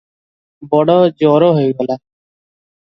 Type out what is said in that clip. ବଡ଼ ଜର ହୋଇଗଲା ।"